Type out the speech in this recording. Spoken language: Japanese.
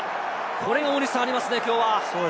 これがありますね、きょうは。